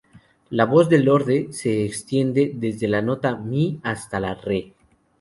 La voz de Lorde se extiende desde la nota "mi" hasta la "re".